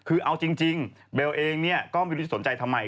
เอาจริงเบลเองก็ไม่รู้จะสนใจทำไม